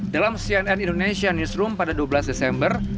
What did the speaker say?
dalam cnn indonesia newsroom pada dua belas desember